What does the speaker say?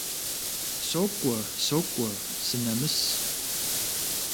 Сокӏуэ, сокӏуэ - сынэмыс.